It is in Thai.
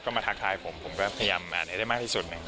ก็มาทักทายผมผมก็พยายามอ่านให้ได้มากที่สุด